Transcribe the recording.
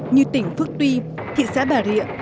như tỉnh phước tuy thị xã bà rịa